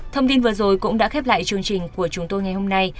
thông tin vừa rồi cũng đã khép lại chương trình của chúng tôi ngày hôm nay